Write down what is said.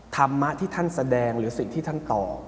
ธรรมะที่ท่านแสดงหรือสิ่งที่ท่านต่อ